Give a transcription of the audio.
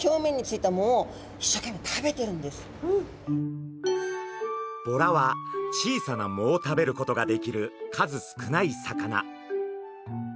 実はこのボラは小さな藻を食べることができる数少ない魚。